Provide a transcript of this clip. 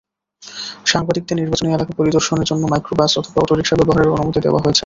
সাংবাদিকদের নির্বাচনী এলাকা পরিদর্শনের জন্য মাইক্রোবাস অথবা অটোরিকশা ব্যবহারের অনুমতি দেওয়া হয়েছে।